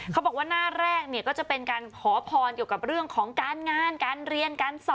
เขาว่าให้ขอพรปี่